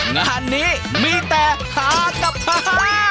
งานนี้มีแต่ฮากับฮ่าฮ่า